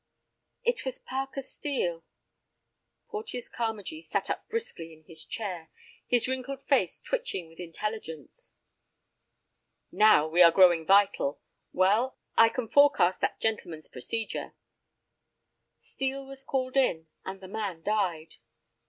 "It was Parker Steel—" Porteus Carmagee sat up briskly in his chair, his wrinkled face twitching with intelligence. "Now we are growing vital. Well, I can forecast that gentleman's procedure." "Steel was called in, and the man died."